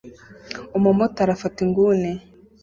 Umumotari afata inguni